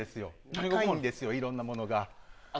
高いんですよ、いろいろなものが。